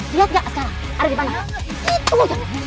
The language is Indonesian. lihat gak sekarang ada di mana